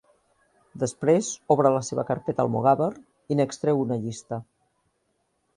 Després obre la seva carpeta almogàver i n'extreu una llista.